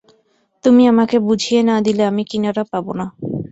তুমি আমাকে বুঝিয়ে না দিলে আমি কিনারা পাব না।